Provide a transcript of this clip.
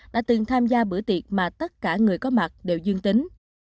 đã từng tham gia bữa tiệc mà tất cả người có mặt đều dương tính